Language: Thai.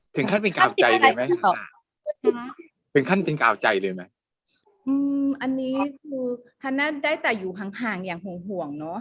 ถึงขั้นเป็นกาวใจเลยไหมเป็นขั้นเป็นกาวใจเลยไหมอืมอันนี้คือคณะได้แต่อยู่ห่างห่างอย่างห่วงห่วงเนอะ